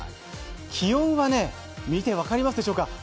気温は、見て分かりますでしょうか